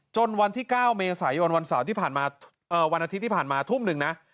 จนวันที่๙เมษายนวันอาทิตย์ที่ผ่านมาทุ่มหนึ่งนะ